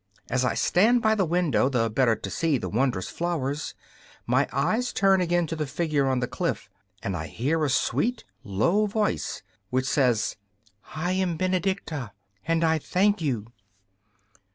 As I stand by the window, the better to see the wondrous flowers, my eyes turn again to the figure on the cliff, and I hear a sweet, low voice, which says: 'I am Benedicta, and I thank you.